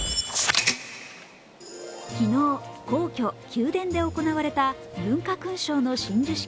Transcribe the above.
昨日、皇居宮殿で行われた文化勲の章親授式。